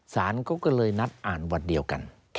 สารเขาก็เลยนัดอ่านวันเดียวกัน